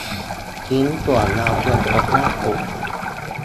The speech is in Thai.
ชิ้นส่วนดาวเทียมตกล่าสุด